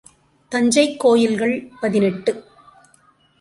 தஞ்சைக் கோயில்கள் பதினெட்டு .